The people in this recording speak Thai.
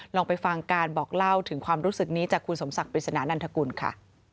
ลองไปฟังการบอกเล่าถึงความรู้สึกนี้จากคุณสมศักดิษนานันทกุลค่ะ